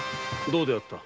どうであった？